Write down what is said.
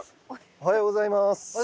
おはようございます。